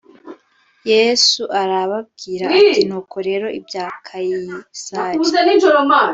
Yesu arababwira ati Nuko rero ibya Kayisari